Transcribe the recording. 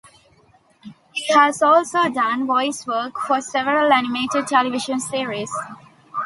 He has also done voice work for several animated television series.